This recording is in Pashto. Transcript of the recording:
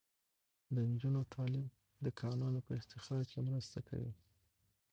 د نجونو تعلیم د کانونو په استخراج کې مرسته کوي.